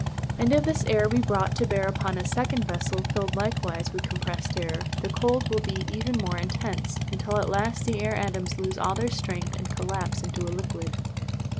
And if this air be brought to bear upon a second vessel filled likewise with compressed air, the cold will be even more intense, until at last the air atoms lose all their strength and collapse into a liquid.